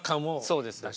そうです。